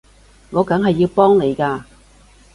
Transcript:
我梗係要幫你㗎